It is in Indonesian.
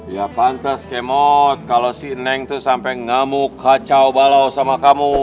ya pantas kemot kalau si neng tuh sampai ngamuk kacau balau sama kamu